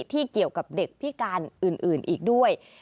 ที่เกี่ยวกับเด็กพิการอื่นอีกด้วย